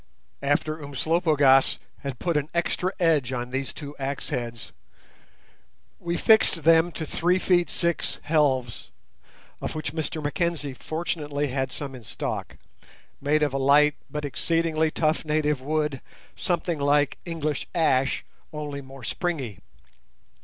After Umslopogaas had put an extra edge on these two axe heads, we fixed them to three feet six helves, of which Mr Mackenzie fortunately had some in stock, made of a light but exceedingly tough native wood, something like English ash, only more springy.